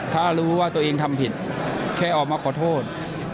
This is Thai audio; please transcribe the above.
ถ้ารู้ว่าตัวเองทำผิดแค่ออกมาขอโทษ